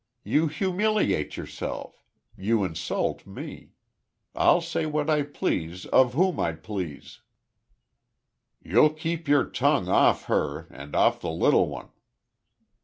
You humiliate yourself. You insult me. I'll say what I please of whom I please." "You'll keep your tongue off her, and off the little one!"